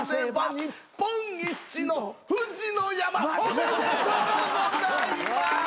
「日本一の富士の山」おめでとうございます。